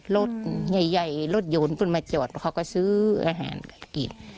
รถใหญ่รถโหยนพึ่งมาจดเขาก็ซื้ออาหารกิน